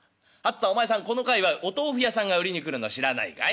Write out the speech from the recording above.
この界わいお豆腐屋さんが売りに来るの知らないかい？